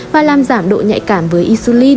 và làm giảm độ nhạy cảm với insulin